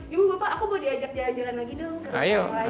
ibu bapak aku mau diajak jalan jalan lagi dong